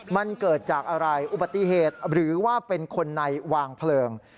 มันเกิดจากอะไรอุบัติเหตุหรือว่าเป็นคนในวางเพลิง